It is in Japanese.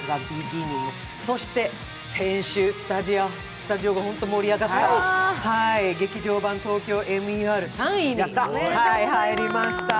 先週スタジオが本当に盛り上がった「劇場版ＴＯＫＹＯＭＥＲ」３位になった。